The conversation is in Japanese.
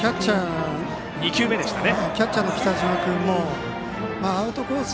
キャッチャーの北島君もアウトコース